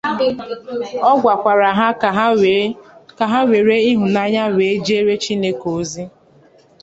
Ọ gwakwara ha ka ha were ịhụnanya wee jeere Chineke ozi